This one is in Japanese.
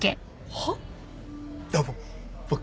はっ？